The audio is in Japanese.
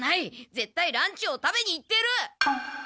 ぜったいランチを食べに行ってる！